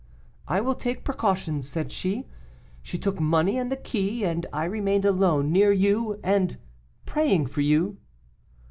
'I will take precautions' said she. She took money and the key, and I remained alone near you, and praying for you."